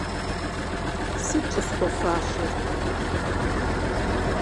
- Сыт щӏысхуэфащэр?